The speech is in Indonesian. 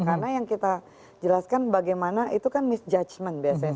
karena yang kita jelaskan bagaimana itu kan misjudgment biasanya